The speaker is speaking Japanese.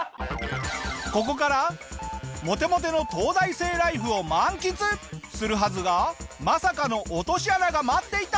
ここからモテモテの東大生ライフを満喫するはずがまさかの落とし穴が待っていた！